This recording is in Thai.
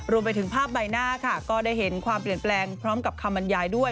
รวมไปถึงภาพใบหน้าค่ะก็ได้เห็นความเปลี่ยนแปลงพร้อมกับคำบรรยายด้วย